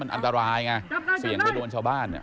อันตรายไงเสี่ยงไปโดนชาวบ้าน